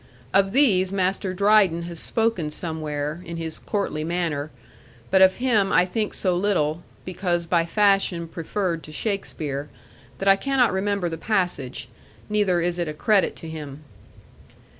Of these Master Dryden has spoken somewhere, in his courtly manner; but of him I think so little because by fashion preferred to Shakespeare that I cannot remember the passage; neither is it a credit to him.